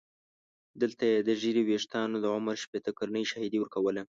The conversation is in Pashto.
دلته یې د ږیرې ویښتانو د عمر شپېته کلنۍ شاهدي ورکوله.